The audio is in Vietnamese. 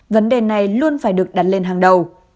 vấn đề này luôn phải được đặt lên hàng đầu